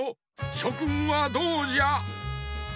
しょくんはどうじゃ？